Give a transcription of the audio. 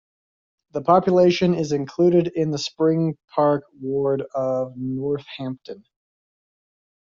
The population is included in the Spring Park ward of Northampton.